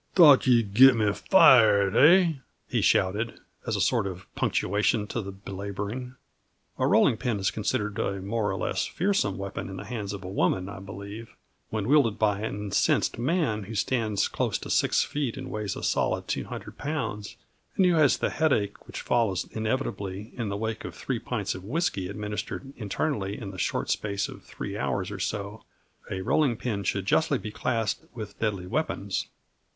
Thought you'd git me fired, hey?" he shouted, as a sort of punctuation to the belaboring. A rolling pin is considered a more or less fearsome weapon in the hands of a woman, I believe; when wielded by an incensed man who stands close to six feet and weighs a solid two hundred pounds, and who has the headache which follows inevitably in the wake of three pints of whisky administered internally in the short space of three hours or so, a rolling pin should justly be classed with deadly weapons.